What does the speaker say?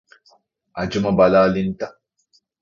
އަޖުމަ ބަލާލިންތަ؟